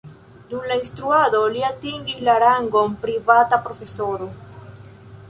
Dum instruado li atingis la rangon privata profesoro.